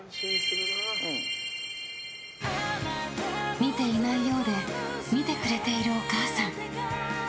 見ていないようで見てくれているお母さん。